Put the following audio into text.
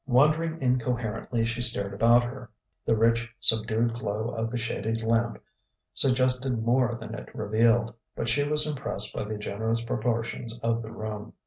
Wondering incoherently, she stared about her. The rich, subdued glow of the shaded lamp suggested more than it revealed, but she was impressed by the generous proportions of the room.